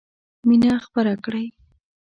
مينه خپره کړئ.